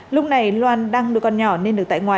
lúc này loan đang nuôi con nhỏ nên được tại ngoại